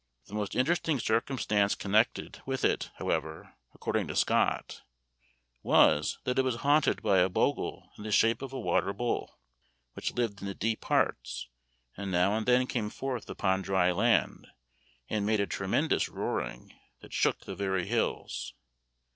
The most interesting circumstance connected with it, however, according to Scott, was, that it was haunted by a bogle in the shape of a water bull, which lived in the deep parts, and now and then came forth upon dry land and made a tremendous roaring, that shook the very hills.